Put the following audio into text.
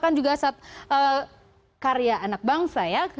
saya lupa kan juga karya anak bangsa ya